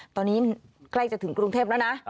ตอนนี้ใกล้จะถึงกรุงเทพแล้วนะ